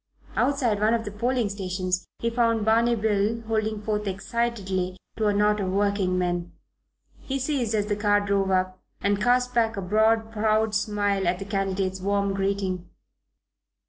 Outside one of the polling stations he found Barney Bill holding forth excitedly to a knot of working men. He ceased as the car drove up, and cast back a broad proud smile at the candidate's warm greeting.